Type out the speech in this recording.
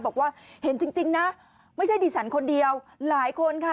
บอกว่าเห็นจริงนะไม่ใช่ดิฉันคนเดียวหลายคนค่ะ